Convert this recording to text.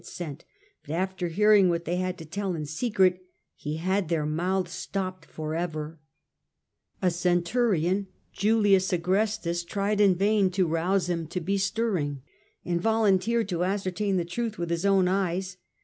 The enemy returned to him the scouts whom he had sent, but after hearing what they had to tell in secret he had their mouths stopped for ever. A centurion, Julius Agrestis, tried in vain to rouse him to be stirring, and volunteered to ascertain the truth with his own eyes.